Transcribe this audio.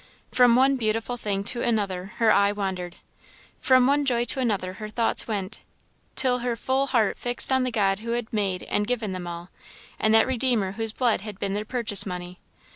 From one beautiful thing to another her eye wandered from one joy to another her thoughts went till her full heart fixed on the God who had made and given them all, and that Redeemer whose blood had been their purchase money.